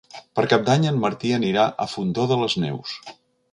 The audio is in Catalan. Per Cap d'Any en Martí anirà al Fondó de les Neus.